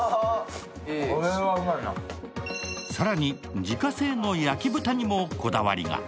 更に、自家製の焼き豚にもこだわりが。